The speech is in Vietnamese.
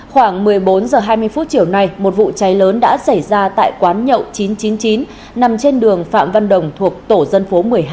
khoảng một mươi bốn h hai mươi phút chiều nay một vụ cháy lớn đã xảy ra tại quán nhậu chín trăm chín mươi chín nằm trên đường phạm văn đồng thuộc tổ dân phố một mươi hai